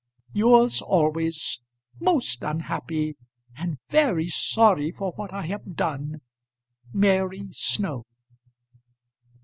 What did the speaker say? Yours always, most unhappy, and very sorry for what I have done, MARY SNOW.